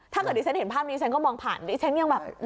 ถ้าเกิดดิฉันเห็นภาพนี้ฉันก็มองผ่านดิฉันยังแบบ